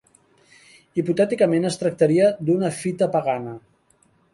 Hipotèticament es tractaria d'una fita pagana.